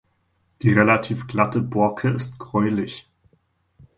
Die relativ glatte Borke ist gräulich.